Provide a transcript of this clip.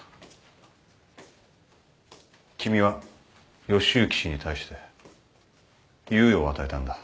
君は義之氏に対して猶予を与えたんだ。